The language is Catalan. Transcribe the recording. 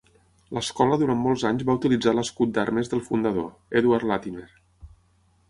L'escola durant molts anys va utilitzar l'escut d'armes del fundador, Edward Latymer.